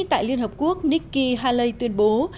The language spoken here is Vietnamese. tại liên hợp quốc nikki haley tuyên bố